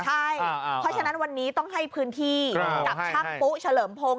ใช่เพราะฉะนั้นวันนี้ต้องให้พื้นที่กับช่างปุ๊เฉลิมพงศ